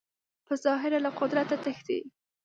په ظاهره له قدرته تښتي